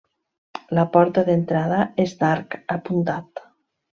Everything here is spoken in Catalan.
La porta d'entrada és d'arc apuntat.